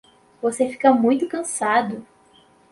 Você fica muito cansado!